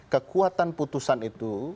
kekuatan putusan itu